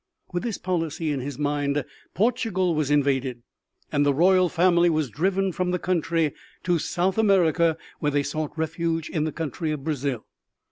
With this policy in his mind Portugal was invaded and the royal family was driven from the country to South America where they sought refuge in the country of Brazil.